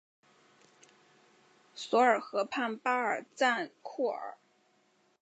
索尔河畔巴尔赞库尔。